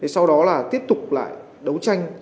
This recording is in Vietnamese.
sau đó tiếp tục đấu tranh